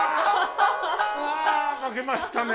うわ負けましたね。